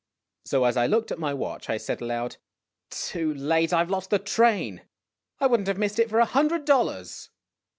So, as I looked at my watch, I said aloud : "Too late! I have lost the train! I would n't have missed it for a hundred dollars